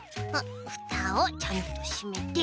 ふたをちゃんとしめて。